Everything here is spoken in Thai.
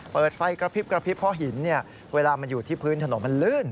เปิดไฟกระพริบกระพริบเพราะหินเวลามันอยู่ที่พื้นถนนมันลื่น